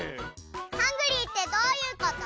ハングリーってどういうこと？